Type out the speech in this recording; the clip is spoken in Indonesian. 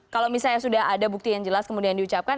kalau misalnya sudah ada bukti yang jelas kemudian diucapkan